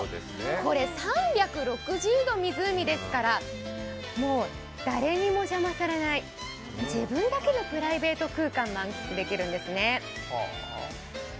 これ、３６０度、湖ですから誰にも邪魔されない、自分だけのプライベート空間を満喫できるんですね。